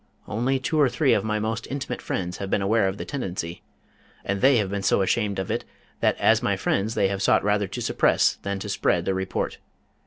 Only two or three of my most intimate friends have been aware of the tendency, and they have been so ashamed of it that as my friends they have sought rather to suppress than to spread the report.